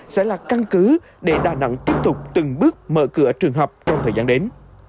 sẽ là căn cứ để đà nẵng tiếp tục từng bước mở cửa trường học trong thời gian đến